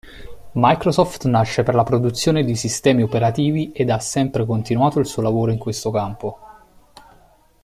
Microsoft nasce per la produzione di sistemi operativi ed ha sempre continuato il suo lavoro in questo campo.